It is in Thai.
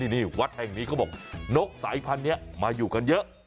นี่วัดแห่งนี้เขาบอกนกสายพันธุ์นี้มาอยู่กันเยอะ